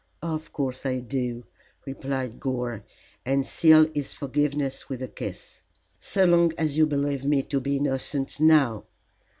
"Of course I do," replied Gore, and sealed his forgiveness with a kiss. "So long as you believe me to be innocent now."